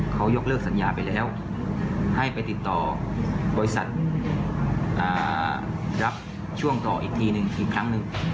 เขายกเลิกสัญญาไปแล้วให้ไปติดต่อบริษัทรับช่วงต่ออีกทีหนึ่งอีกครั้งหนึ่ง